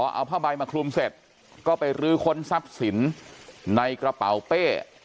เอาผ้าใบมาคลุมเสร็จก็ไปรื้อค้นทรัพย์สินในกระเป๋าเป้